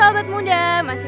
itu lebih mulia dari ratu